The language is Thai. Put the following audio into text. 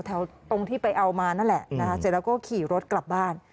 ตรงที่ไปเอามานั่นแหละนะคะเสร็จแล้วก็ขี่รถกลับบ้าน